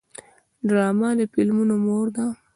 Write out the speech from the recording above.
ډرامه د فلمونو مور ده